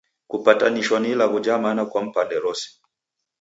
Kupatanishwa ni ilagho ja mana kwa mpande rose.